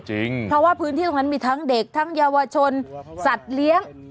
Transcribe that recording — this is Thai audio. เพราะว่าพื้นที่ตรงนั้นมีทั้งเด็กทั้งเยาวชนสัตว์เลี้ยง